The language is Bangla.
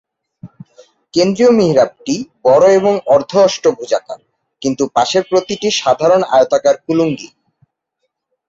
কেন্দ্রীয় মিহরাবটি বড় এবং অর্ধঅষ্টভুজাকার, কিন্তু পাশের প্রতিটি সাধারণ আয়তাকার কুলুঙ্গি।